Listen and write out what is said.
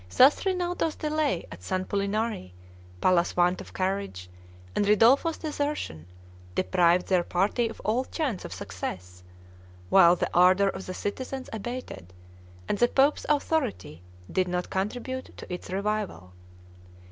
Thus Rinaldo's delay at San Pulinari, Palla's want of courage, and Ridolfo's desertion, deprived their party of all chance of success; while the ardor of the citizens abated, and the pope's authority did not contribute to its revival.